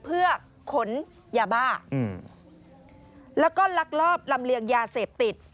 เพื่อขนยาบ้าแล้วก็ลักลอบลำเลียงยาเสพติด